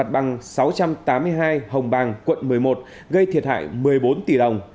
bằng sáu trăm tám mươi hai hồng bàng quận một mươi một gây thiệt hại một mươi bốn tỷ đồng